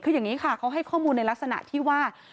คืออย่างนี้ค่ะเขาให้ข้อมูลในลักษณะที่ว่า